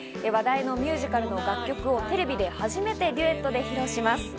話題のミュージカルの楽曲をテレビで初めてデュエットで披露します。